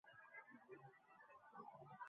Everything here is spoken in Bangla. গোরার ওষ্ঠপ্রান্তে ঈষৎ একটু কঠোর হাসি দেখা দিল।